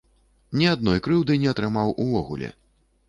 Ні адной крыўды не атрымаў увогуле!